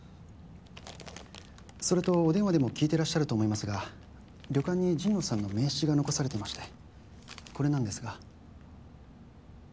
それとお電話でも聞いてらっしゃると思いますが旅館に神野さんの名刺が残されていましてこれなんですが。